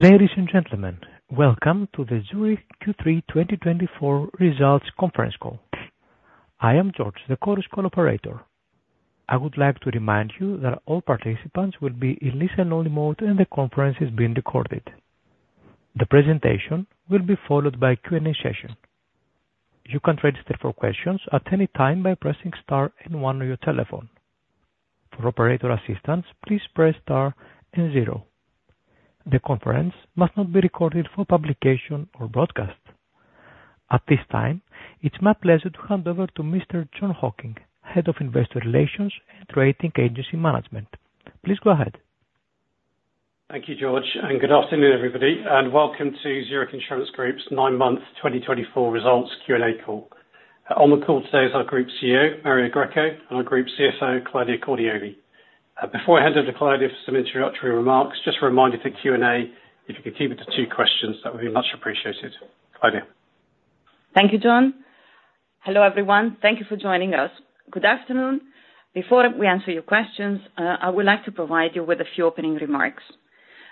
Ladies and gentlemen, welcome to the Zurich Q3 2024 results conference call. I am George, the call operator. I would like to remind you that all participants will be in listen-only mode and the conference is being recorded. The presentation will be followed by a Q&A session. You can register for questions at any time by pressing star and one on your telephone. For operator assistance, please press star and zero. The conference must not be recorded for publication or broadcast. At this time, it's my pleasure to hand over to Mr. John Hocking, Head of Investor Relations and Rating Agency Management. Please go ahead. Thank you, George, and good afternoon, everybody, and welcome to Zurich Insurance Group's nine-month 2024 results Q&A call. On the call today is our Group CEO, Mario Greco, and our Group CFO, Claudia Cordioli. Before I hand over to Claudia for some introductory remarks, just a reminder for Q&A, if you can keep it to two questions, that would be much appreciated. Claudia. Thank you, John. Hello, everyone. Thank you for joining us. Good afternoon. Before we answer your questions, I would like to provide you with a few opening remarks.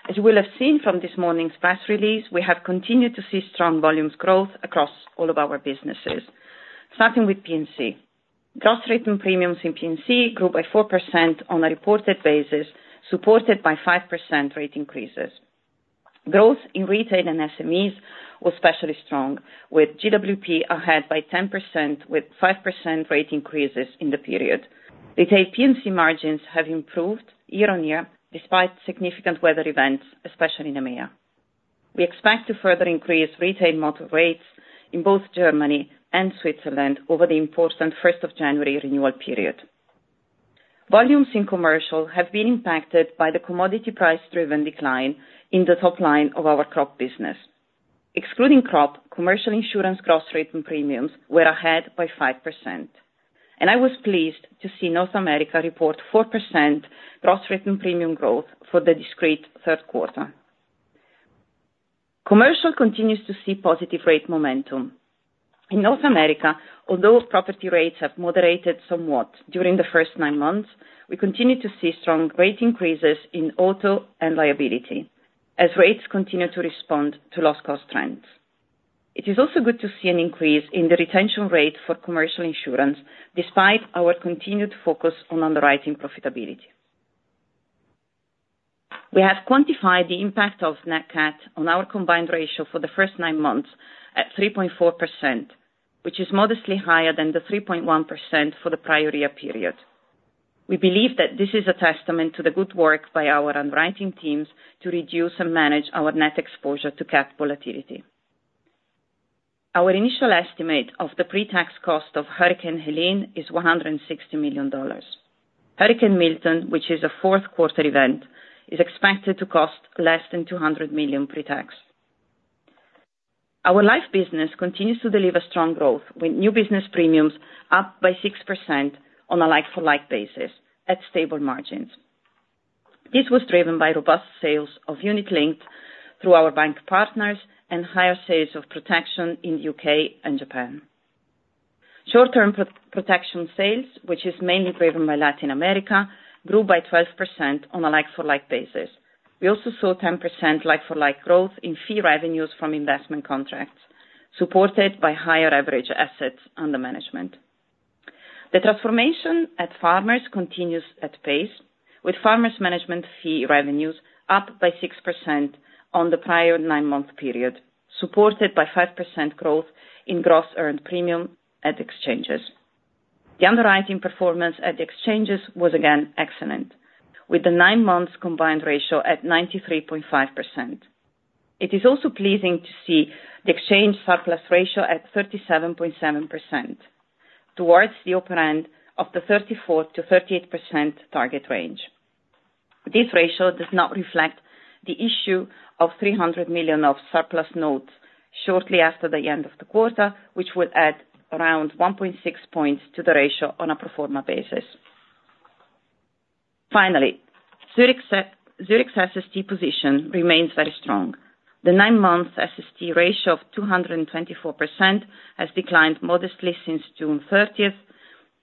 As you will have seen from this morning's press release, we have continued to see strong volumes growth across all of our businesses, starting with P&C. Gross written premiums in P&C grew by 4% on a reported basis, supported by 5% rate increases. Growth in retail and SMEs was especially strong, with GWP ahead by 10% with 5% rate increases in the period. Retail P&C margins have improved year-on-year despite significant weather events, especially in EMEA. We expect to further increase retail motor rates in both Germany and Switzerland over the important first of January renewal period. Volumes in commercial have been impacted by the commodity price-driven decline in the top line of our crop business. Excluding crop, commercial insurance gross written premiums were ahead by 5%. And I was pleased to see North America report 4% gross written premium growth for the discrete Q3. Commercial continues to see positive rate momentum. In North America, although property rates have moderated somewhat during the first nine months, we continue to see strong rate increases in auto and liability as rates continue to respond to loss cost trends. It is also good to see an increase in the retention rate for commercial insurance despite our continued focus on underwriting profitability. We have quantified the impact of net NatCat on our combined ratio for the first nine months at 3.4%, which is modestly higher than the 3.1% for the prior year period. We believe that this is a testament to the good work by our underwriting teams to reduce and manage our net exposure to NatCat volatility. Our initial estimate of the pre-tax cost of Hurricane Helene is $160 million. Hurricane Milton, which is a Q4 event, is expected to cost less than $200 million pre-tax. Our Life business continues to deliver strong growth with new business premiums up by 6% on a like-for-like basis at stable margins. This was driven by robust sales of unit-linked through our bank partners and higher sales of protection in the UK and Japan. Short-term protection sales, which is mainly driven by Latin America, grew by 12% on a like-for-like basis. We also saw 10% like-for-like growth in fee revenues from investment contracts, supported by higher average assets under management. The transformation at Farmers continues at pace, with Farmers' management fee revenues up by 6% on the prior nine-month period, supported by 5% growth in gross earned premium at Exchanges. The underwriting performance at the Exchanges was again excellent, with the nine-month combined ratio at 93.5%. It is also pleasing to see the Exchange surplus ratio at 37.7%, towards the upper end of the 34% to 38% target range. This ratio does not reflect the issue of $300 million of surplus notes shortly after the end of the quarter, which would add around 1.6 points to the ratio on a pro forma basis. Finally, Zurich's SST position remains very strong. The nine-month SST ratio of 224% has declined modestly since June 30,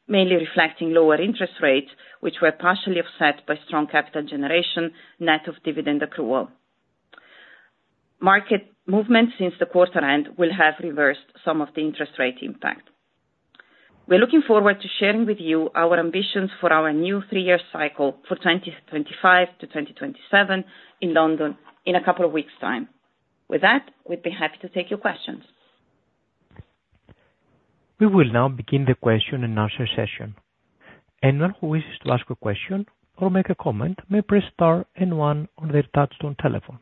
mainly reflecting lower interest rates, which were partially offset by strong capital generation net of dividend accrual. Market movements since the quarter end will have reversed some of the interest rate impact. We're looking forward to sharing with you our ambitions for our new three-year cycle for 2025 to 2027 in London in a couple of weeks' time. With that, we'd be happy to take your questions. We will now begin the question and answer session. Anyone who wishes to ask a question or make a comment may press star and one on their touch-tone telephone.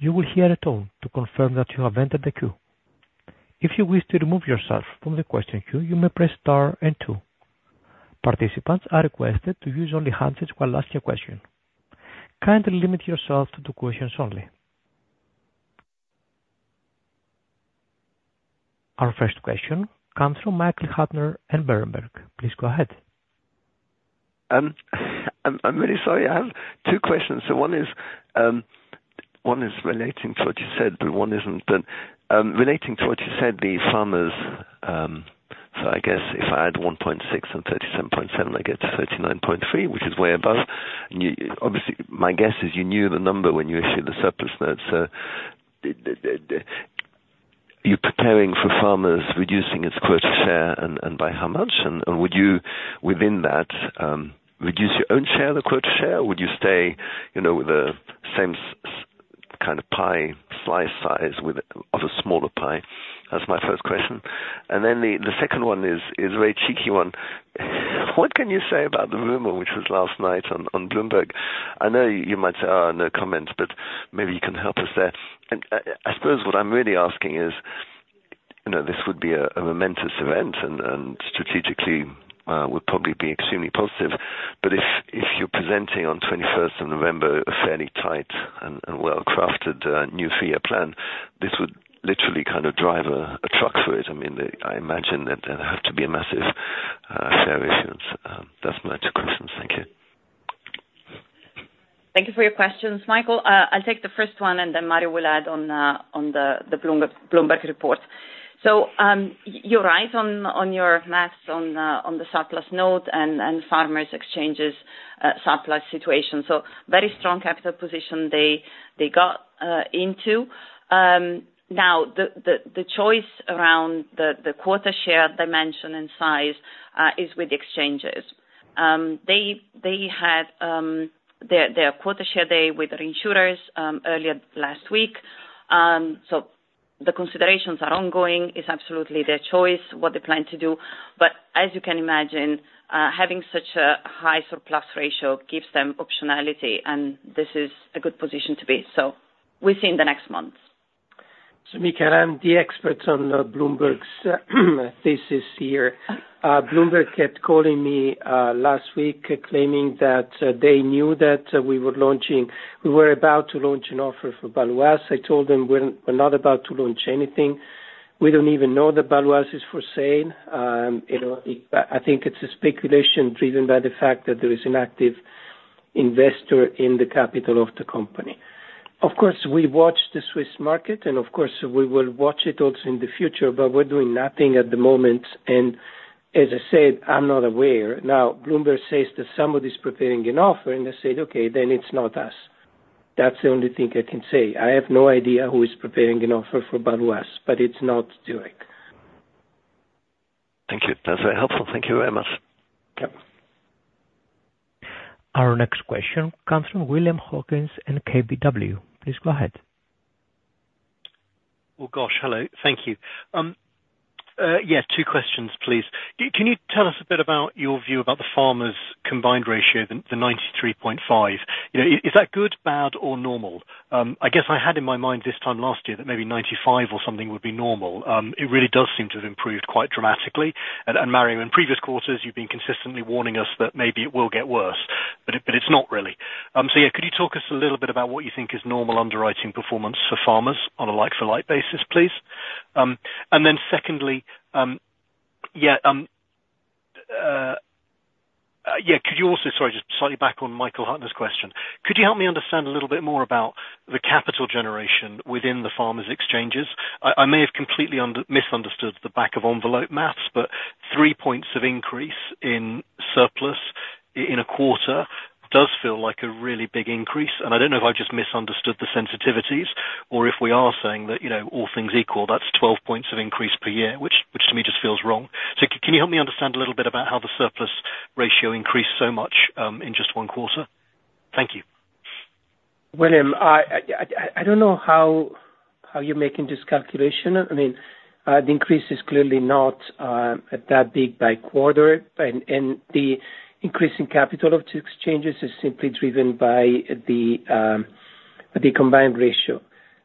You will hear a tone to confirm that you have entered the queue. If you wish to remove yourself from the question queue, you may press star and two. Participants are requested to use only the handset while asking a question. Kindly limit yourself to questions only. Our first question comes from Michael Huttner and Berenberg. Please go ahead. I'm really sorry. I have two questions. So one is relating to what you said, but one isn't. Relating to what you said, the Farmers, so I guess if I add 1.6 and 37.7, I get to 39.3, which is way above. Obviously, my guess is you knew the number when you issued the surplus notes. Are you preparing for Farmers reducing its quota share and by how much? And would you, within that, reduce your own share of the quota share? Would you stay with the same kind of pie slice size of a smaller pie? That's my first question. And then the second one is a very cheeky one. What can you say about the rumor which was last night on Bloomberg? I know you might say, "Oh, no comments," but maybe you can help us there. I suppose what I'm really asking is this would be a momentous event and strategically would probably be extremely positive. But if you're presenting on the 21st of November a fairly tight and well-crafted new three-year plan, this would literally kind of drive a truck through it. I mean, I imagine that there'd have to be a massive equity issuance. That's my two questions. Thank you. Thank you for your questions, Michael. I'll take the first one, and then Mario will add on the Bloomberg report. So you're right on your math on the surplus note and Farmers Exchanges surplus situation. So very strong capital position they got into. Now, the choice around the quota share dimension and size is with the Exchanges. They had their quota share day with their insurers earlier last week. So the considerations are ongoing. It's absolutely their choice what they plan to do. But as you can imagine, having such a high surplus ratio gives them optionality, and this is a good position to be. So we'll see in the next months. Michael, I'm the expert on Bloomberg's thesis here. Bloomberg kept calling me last week claiming that they knew that we were about to launch an offer for Baloise. I told them we're not about to launch anything. We don't even know that Baloise is for sale. I think it's a speculation driven by the fact that there is an active investor in the capital of the company. Of course, we watch the Swiss market, and of course, we will watch it also in the future, but we're doing nothing at the moment. As I said, I'm not aware. Now, Bloomberg says that somebody's preparing an offer, and they say, "Okay, then it's not us." That's the only thing I can say. I have no idea who is preparing an offer for Baloise, but it's not Zurich. Thank you. That's very helpful. Thank you very much. Yep. Our next question comes from William Hawkins and KBW. Please go ahead. Gosh, hello. Thank you. Yeah, two questions, please. Can you tell us a bit about your view about the Farmers' combined ratio, the 93.5%? Is that good, bad, or normal? I guess I had in my mind this time last year that maybe 95% or something would be normal. It really does seem to have improved quite dramatically. And Mario, in previous quarters, you've been consistently warning us that maybe it will get worse, but it's not really. So yeah, could you talk us a little bit about what you think is normal underwriting performance for Farmers on a like-for-like basis, please? And then secondly, yeah, could you also? Sorry, just slightly back on Michael Huttner's question. Could you help me understand a little bit more about the capital generation within the Farmers' Exchanges? I may have completely misunderstood the back-of-envelope math, but three points of increase in surplus in a quarter does feel like a really big increase. And I don't know if I've just misunderstood the sensitivities or if we are saying that all things equal, that's 12 points of increase per year, which to me just feels wrong. So can you help me understand a little bit about how the surplus ratio increased so much in just one quarter? Thank you. William, I don't know how you're making this calculation. I mean, the increase is clearly not that big by quarter, and the increase in capital of the Exchanges is simply driven by the combined ratio.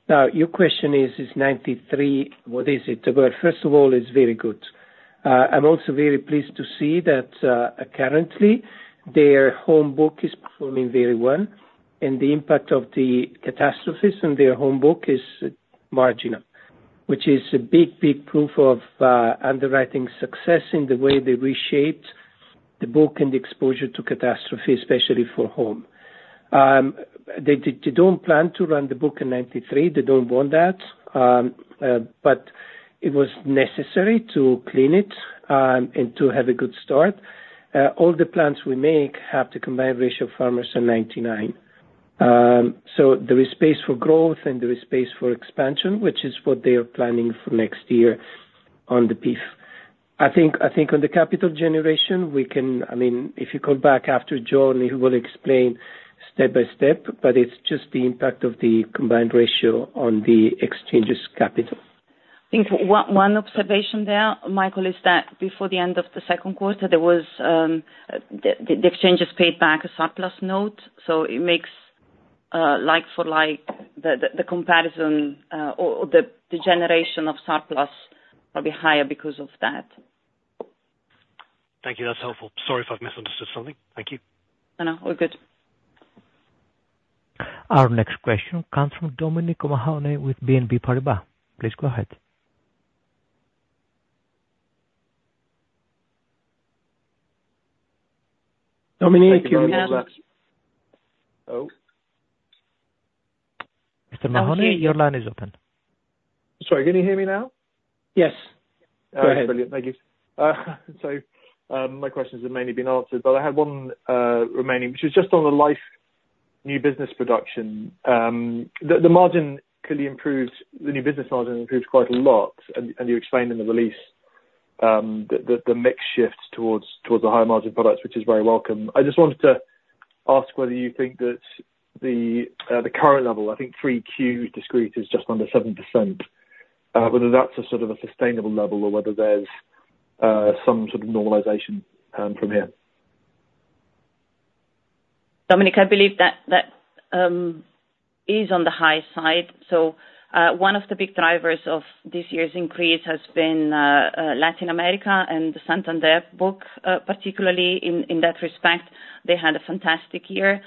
Now, your question is, is 93%—what is it? Well, first of all, it's very good. I'm also very pleased to see that currently their home book is performing very well, and the impact of the catastrophes on their home book is marginal, which is a big, big proof of underwriting success in the way they reshaped the book and the exposure to catastrophe, especially for home. They don't plan to run the book in 93%. They don't want that, but it was necessary to clean it and to have a good start. All the plans we make have the combined ratio of Farmers in 99%. So there is space for growth, and there is space for expansion, which is what they are planning for next year on the PIF. I think on the capital generation, we can—I mean, if you call back after John, he will explain step by step, but it's just the impact of the combined ratio on the exchange's capital. I think one observation there, William, is that before the end of the Q2, the Exchanges paid back a surplus note. So it makes like-for-like the comparison or the generation of surplus probably higher because of that. Thank you. That's helpful. Sorry if I've misunderstood something. Thank you. No, no. We're good. Our next question comes from Dominic O'Mahony with BNP Paribas. Please go ahead. Dominic, you're in the loop. Mr. O'Mahony, your line is open. Sorry, can you hear me now? Yes. Okay. Thank you. Sorry. My questions have mainly been answered, but I had one remaining, which was just on the life new business production. The margin clearly improved. The new business margin improved quite a lot, and you explained in the release the mix shift towards the higher margin products, which is very welcome. I just wanted to ask whether you think that the current level, I think three Q discrete is just under 7%, whether that's a sort of a sustainable level or whether there's some sort of normalization from here. Dominic, I believe that is on the high side. So one of the big drivers of this year's increase has been Latin America and the Santander book, particularly in that respect. They had a fantastic year.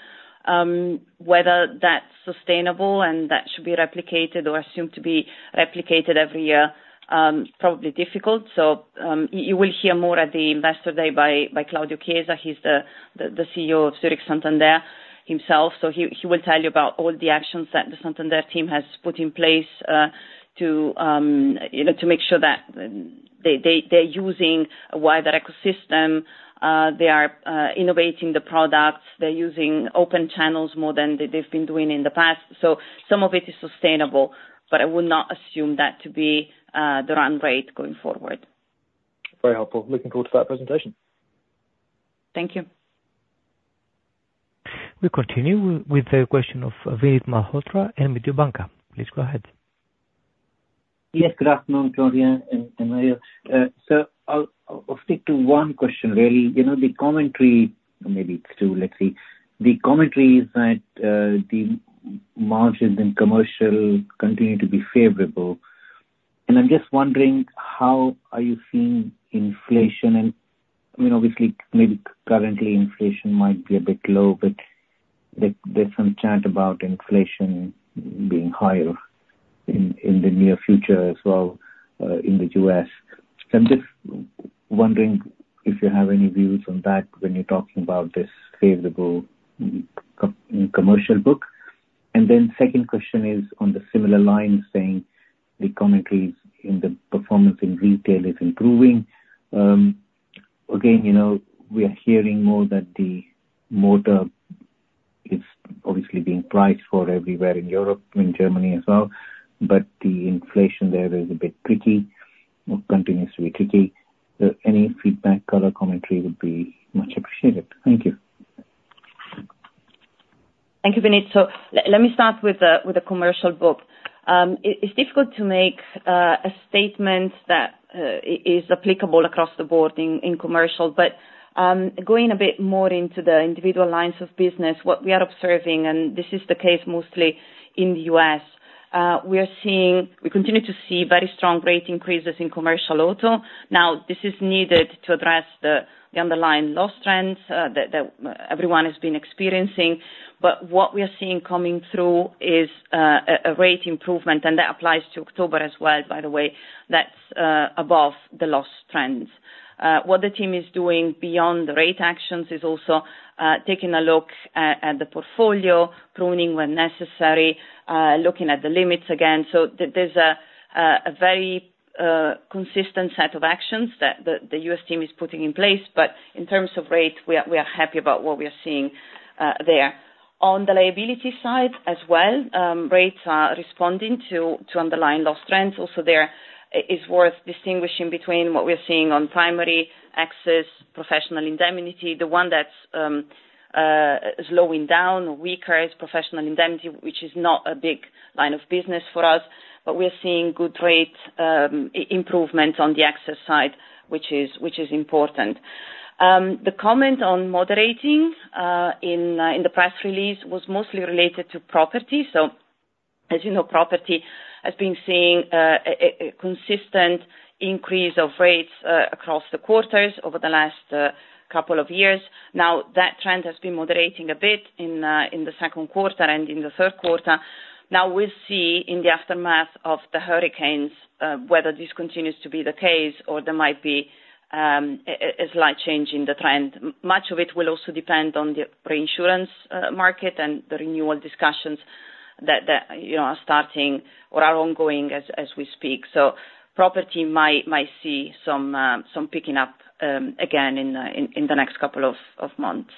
Whether that's sustainable and that should be replicated or assumed to be replicated every year is probably difficult. So you will hear more at the Investor Day by Claudio Chiesa. He's the CEO of Zurich Santander himself. So he will tell you about all the actions that the Santander team has put in place to make sure that they're using a wider ecosystem. They are innovating the products. They're using open channels more than they've been doing in the past. So some of it is sustainable, but I would not assume that to be the run rate going forward. Very helpful. Looking forward to that presentation. Thank you. We'll continue with the question of Vinit Malhotra from Mediobanca. Please go ahead. Yes, good afternoon, Claudia and Mario. So I'll stick to one question, really. The commentary, maybe it's two, let's see. The commentary is that the margins in commercial continue to be favorable. And I'm just wondering, how are you seeing inflation? And I mean, obviously, maybe currently inflation might be a bit low, but there's some chat about inflation being higher in the near future as well in the U.S. So I'm just wondering if you have any views on that when you're talking about this favorable commercial book. And then the second question is on the similar lines, saying the commentary is in the performance in retail is improving. Again, we are hearing more that the motor is obviously being priced for everywhere in Europe and Germany as well, but the inflation there is a bit tricky or continues to be tricky. Any feedback, color, commentary would be much appreciated. Thank you. Thank you, Vinny. So let me start with the commercial book. It's difficult to make a statement that is applicable across the board in commercial, but going a bit more into the individual lines of business, what we are observing, and this is the case mostly in the U.S., we continue to see very strong rate increases in commercial auto. Now, this is needed to address the underlying loss trends that everyone has been experiencing. But what we are seeing coming through is a rate improvement, and that applies to October as well, by the way, that's above the loss trends. What the team is doing beyond the rate actions is also taking a look at the portfolio, pruning when necessary, looking at the limits again. So there's a very consistent set of actions that the U.S. team is putting in place. But in terms of rate, we are happy about what we are seeing there. On the liability side as well, rates are responding to underlying loss trends. Also, it's worth distinguishing between what we are seeing on primary excess, professional indemnity. The one that's slowing down or weaker is professional indemnity, which is not a big line of business for us. But we are seeing good rate improvement on the excess side, which is important. The comment on moderating in the press release was mostly related to property. So as you know, property has been seeing a consistent increase of rates across the quarters over the last couple of years. Now, that trend has been moderating a bit in the Q2 and in the Q3. Now, we'll see in the aftermath of the hurricanes whether this continues to be the case or there might be a slight change in the trend. Much of it will also depend on the reinsurance market and the renewal discussions that are starting or are ongoing as we speak. So property might see some picking up again in the next couple of months.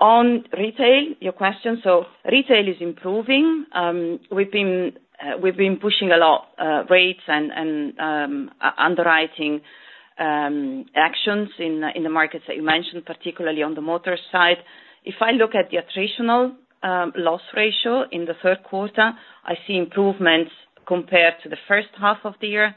On retail, your question. So retail is improving. We've been pushing a lot of rates and underwriting actions in the markets that you mentioned, particularly on the motor side. If I look at the attritional loss ratio in the Q3, I see improvements compared to the first half of the year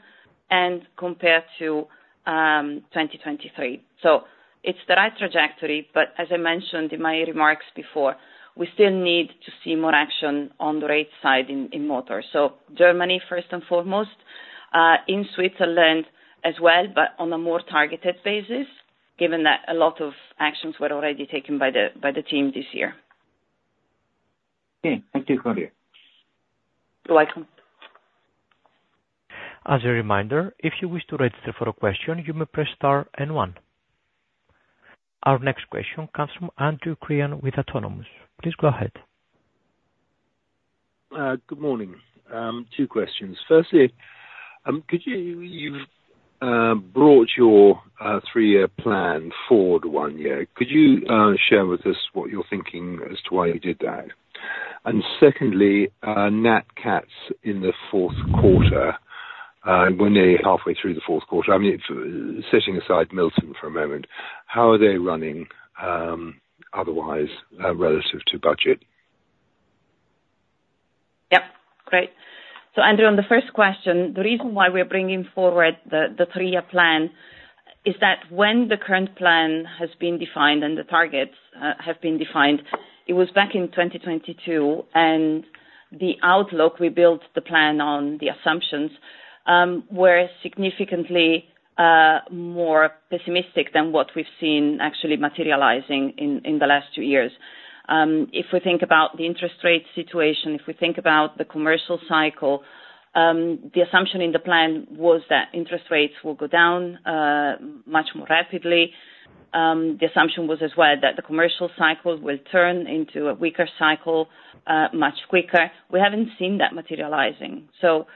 and compared to 2023. So it's the right trajectory. But as I mentioned in my remarks before, we still need to see more action on the rate side in motor. So Germany, first and foremost, in Switzerland as well, but on a more targeted basis, given that a lot of actions were already taken by the team this year. Okay. Thank you, Claudia. You're welcome. As a reminder, if you wish to register for a question, you may press star and one. Our next question comes from Andrew Crean with Autonomous. Please go ahead. Good morning. Two questions. Firstly, you've brought your three-year plan forward one year. Could you share with us what you're thinking as to why you did that? And secondly, NatCats in the Q4, when they're halfway through the Q4, I mean, setting aside Milton for a moment, how are they running otherwise relative to budget? Yep. Great. So, Andrew, on the first question, the reason why we're bringing forward the three-year plan is that when the current plan has been defined and the targets have been defined, it was back in 2022, and the outlook we built the plan on, the assumptions, were significantly more pessimistic than what we've seen actually materializing in the last two years. If we think about the interest rate situation, if we think about the commercial cycle, the assumption in the plan was that interest rates will go down much more rapidly. The assumption was as well that the commercial cycle will turn into a weaker cycle much quicker. We haven't seen that materializing. So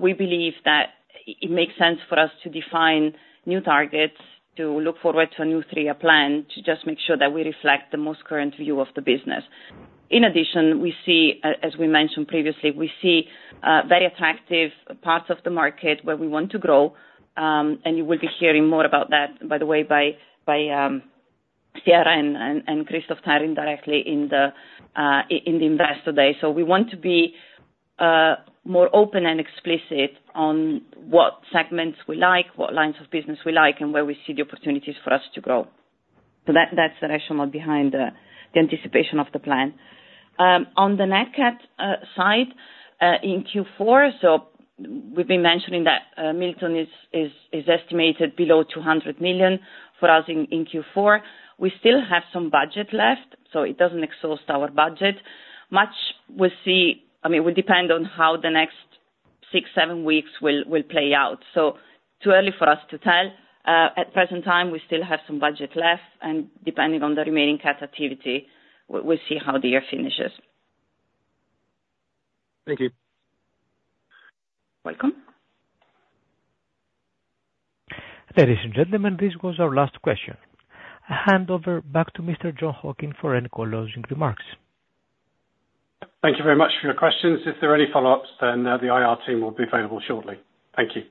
we believe that it makes sense for us to define new targets, to look forward to a new three-year plan, to just make sure that we reflect the most current view of the business. In addition, as we mentioned previously, we see very attractive parts of the market where we want to grow, and you will be hearing more about that, by the way, by Sierra and Kristof Terryn directly in the Investor Day. So we want to be more open and explicit on what segments we like, what lines of business we like, and where we see the opportunities for us to grow. So that's the rationale behind the anticipation of the plan. On the NatCats side in Q4, so we've been mentioning that Milton is estimated below $200 million for us in Q4. We still have some budget left, so it doesn't exhaust our budget. Much we'll see, I mean, will depend on how the next six, seven weeks will play out. So too early for us to tell. At present time, we still have some budget left, and depending on the remaining CAT activity, we'll see how the year finishes. Thank you. Welcome. Ladies and gentlemen, this was our last question. Hand over back to Mr. Jon Hocking for any closing remarks. Thank you very much for your questions. If there are any follow-ups, then the IR team will be available shortly. Thank you.